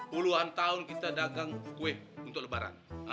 puluhan tahun kita dagang kue untuk lebaran